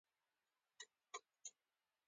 د وسله والو قواؤ لویه سر مشري کوي.